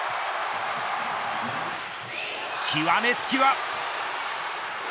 極め付きは。